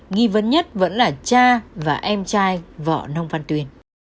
nghi vấn nhất vẫn là cha và em trai vợ nông văn tuyên